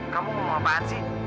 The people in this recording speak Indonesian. kamu mau ngapain sih